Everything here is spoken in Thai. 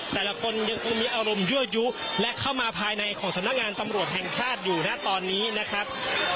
แต่ละคนยังคงมีอารมณ์ยั่วยุและเข้ามาภายในของสำนักงานตำรวจแห่งชาติอยู่นะตอนนี้นะครับ